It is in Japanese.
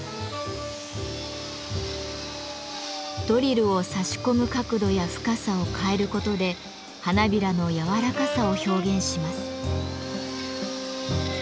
ドリルを差し込む角度や深さを変えることで花びらの柔らかさを表現します。